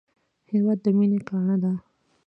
هېواد د مینې ګاڼه ده